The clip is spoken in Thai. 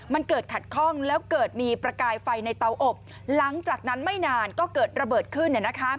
มันเกิดขัดข้องแล้วเกิดมีประกายไฟในเตาอบหลังจากนั้นไม่นานก็เกิดระเบิดขึ้น